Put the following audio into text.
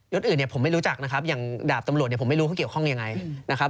อื่นเนี่ยผมไม่รู้จักนะครับอย่างดาบตำรวจเนี่ยผมไม่รู้เขาเกี่ยวข้องยังไงนะครับ